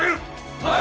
はい。